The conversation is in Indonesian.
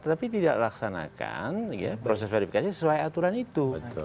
tetapi tidak laksanakan proses verifikasi sesuai aturan itu